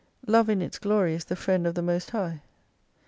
Love in its glory is the friend of the most High.